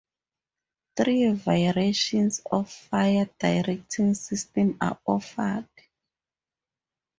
Three variations of fire directing systems are offered.